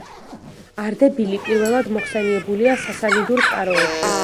არდებილი პირველად მოხსენიებულია სასანიდურ წყაროებში.